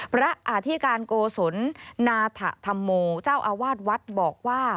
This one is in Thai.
พระอธิการโกศลนาธธรรมโมเจ้าอาวาสวัดบอกว่า